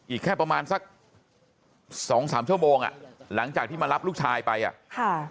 อีกแค่ประมาณสักสองสามชั่วโมงอ่ะหลังจากที่มารับลูกชายไปอ่ะค่ะ